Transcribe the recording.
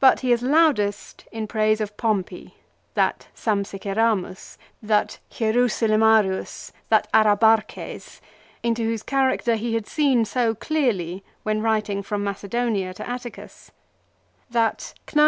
But he is loudest in praise of Pompey that " Sampsiceramus " that " Hierosolymarius " that "Arabarches" into whose character he had seen so clearly when writing from Macedonia to Atticus, that " On.